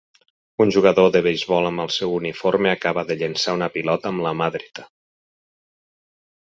Un jugador de beisbol amb el seu uniforme acaba de llençar una pilota amb la mà dreta